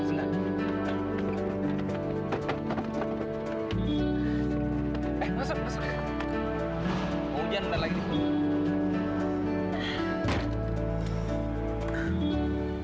sampai jumpa di video selanjutnya